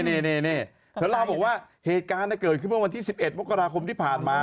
เธอนั้นเล่าบอกว่าเหตุการณ์นะเกิดเมื่อวันที่๑๑มกราคมที่ผ่านมา